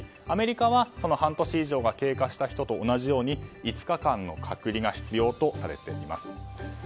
アメリカは、半年以上が経過した人と同じように５日間の隔離が必要とされています。